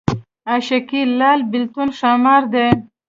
عاشقي لال بېلتون ښامار دی